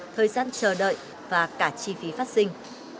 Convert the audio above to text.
thời gian chờ đợi và cả chi phí phát sinh